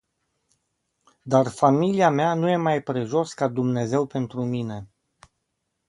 Dar familia mea nu e mai prejos ca Dumnezeu pentru mine.